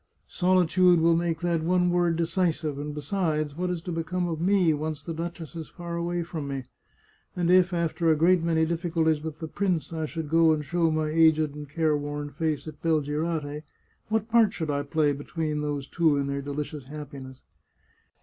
" Solitude will make that one word decisive, and besides, what is to become of me once the duchess is far away from 151 The Chartreuse of Parma me ? And if, after a great many difficulties with the prince, I should go and show my aged and careworn face at Belgirate, what part should I play between those two in their delirious happiness